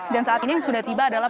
dan saat ini yang sudah tiba adalah